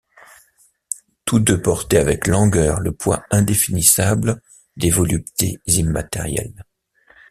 Tous deux portaient avec langueur le poids indéfinissables des voluptés immatérielles.